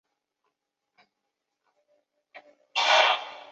新疆南芥为十字花科南芥属下的一个种。